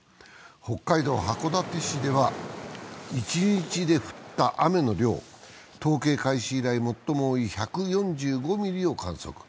北海道函館市では一日で降った雨の量、統計開始以来最も多い１４５ミリを観測。